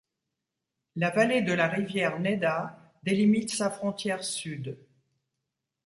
La vallée de la rivière Néda délimite sa frontière sud.